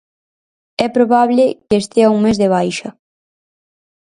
É probable que estea un mes de baixa.